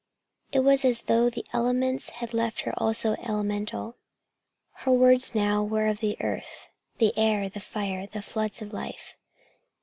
It was as though the elements had left her also elemental. Her words now were of the earth, the air, the fire, the floods of life.